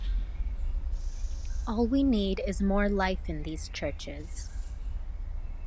All we need is more life in these churches...